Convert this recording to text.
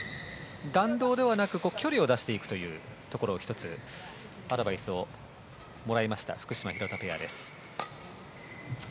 弾道ではなく距離を出していくというところを１つアドバイスをもらいました、福島、廣田ペア。